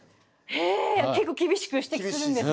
へえ結構厳しく指摘するんですね。